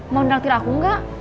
mau ngerang tir aku enggak